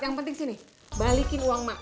yang penting sini balikin uang mak